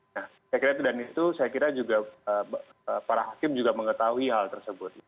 nah saya kira itu dan itu saya kira juga para hakim juga mengetahui hal tersebut